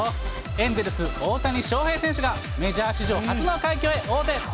エンゼルス、大谷翔平選手がメジャー史上初の快挙へ王手。